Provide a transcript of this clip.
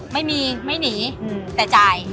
ไม่มีไม่หนีแต่จ่าย